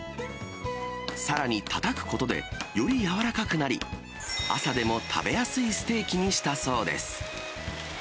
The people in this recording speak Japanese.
さらにたたくことで、より軟らかくなり、朝でも食べやすいステーキにしたそうです。